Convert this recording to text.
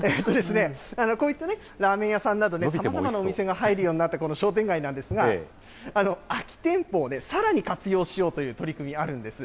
こういったラーメン屋さんなど、さまざまなお店が入るようになったこの商店街なんですが、空き店舗をさらに活用しようという取り組み、あるんです。